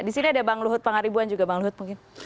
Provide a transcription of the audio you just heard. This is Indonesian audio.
di sini ada bang luhut pangaribuan juga bang luhut mungkin